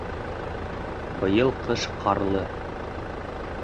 Быйыл ҡыш ҡарлы